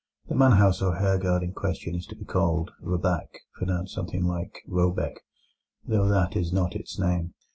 The manor house, or herrgård, in question is to be called Råbäck (pronounced something like Roebeck), though that is not its name.